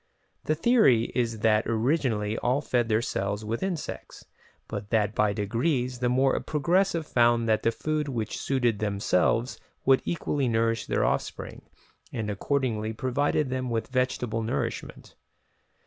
The theory is that originally all fed their cells with insects, but that by degrees the more progressive found that the food which suited themselves would equally nourish their offspring, and accordingly provided them with vegetable nourishment.